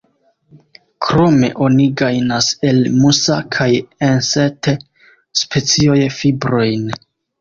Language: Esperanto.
Krome oni gajnas el "Musa"- kaj "Ensete"-specioj fibrojn.